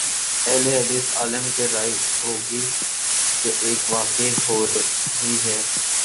اہل حدیث عالم کی رائے ہو گی کہ ایک واقع ہوئی ہے۔